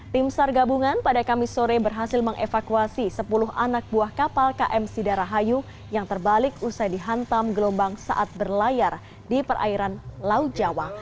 tim sar gabungan pada kamis sore berhasil mengevakuasi sepuluh anak buah kapal km sidarahayu yang terbalik usai dihantam gelombang saat berlayar di perairan laut jawa